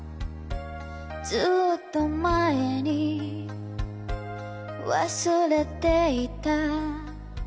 「ずっと前に忘れていた」